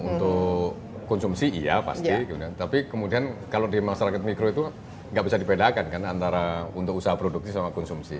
untuk konsumsi iya pasti tapi kemudian kalau di masyarakat mikro itu nggak bisa dibedakan kan antara untuk usaha produksi sama konsumsi